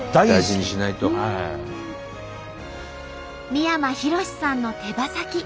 三山ひろしさんの手羽先。